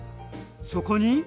そこに？